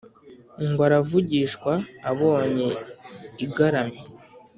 Ngo aravugishwa abonye igaramye.